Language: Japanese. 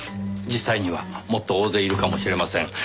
実際にはもっと大勢いるかもしれません。